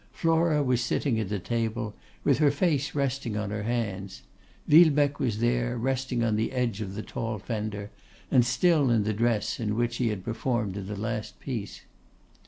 Flora was sitting at a table, with her face resting on her hands. Villebecque was there, resting on the edge of the tall fender, and still in the dress in which he had performed in the last piece.